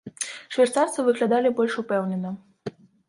Швейцарцы выглядалі больш упэўнена.